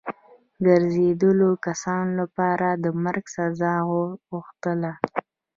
ګرځېدلو کسانو لپاره د مرګ د سزا غوښتل.